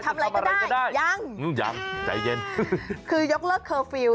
ทำอะไรก็ได้ยังยังใจเย็นคือยกเลิกเคอร์ฟิลล